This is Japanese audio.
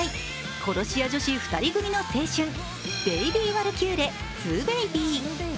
殺し屋女子２人組の青春「ベイビーわるきゅーれ２ベイビー」